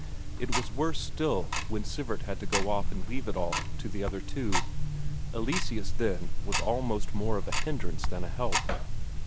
It was worse still when Sivert had to go off and leave it all to the other two; Eleseus then was almost more of a hindrance than a help.